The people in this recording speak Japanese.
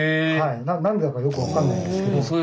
何でだかよく分かんないんですけど。